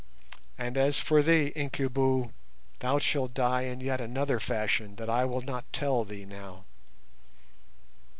And as for thee, Incubu, thou shalt die in yet another fashion that I will not tell thee now."